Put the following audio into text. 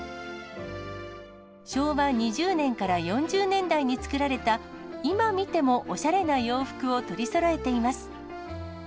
昭和２０年から４０年代に作られた、今見てもおしゃれな洋服を取りそろえています。